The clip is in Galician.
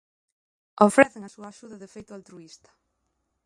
Ofrecen a súa axuda de xeito altruísta.